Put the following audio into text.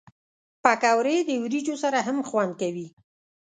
پکورې د وریجو سره هم خوند کوي